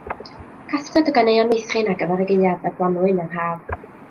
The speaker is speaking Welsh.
Casgliad o ganeuon meithrin ar gyfer y gaeaf, y gwanwyn a'r haf.